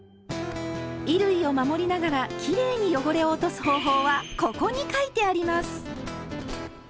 衣類を守りながらきれいに汚れを落とす方法は「ここ」に書いてあります！